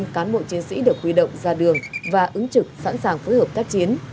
một trăm linh cán bộ chiến sĩ được huy động ra đường và ứng trực sẵn sàng phối hợp tác chiến